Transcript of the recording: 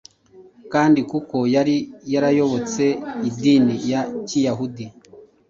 kandi kuko yari yarayobotse idini ya Kiyahudi,